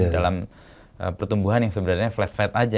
dalam pertumbuhan yang sebenarnya flat aja